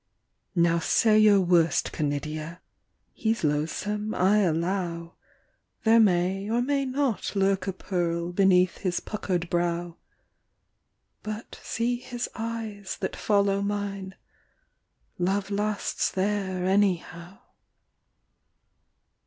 Now say your worst, Canidia! "He 's loathsome, I allow: There may or may not lurk a pearl beneath his puckered brow: But see his eyes that follow mine love lasts there, anyhow."